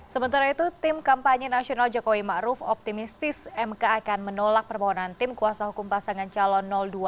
sementara itu tim kampanye nasional jokowi ma'ruf optimistis mk akan menolak perbohonan tim kuasa hukum pasangan calon dua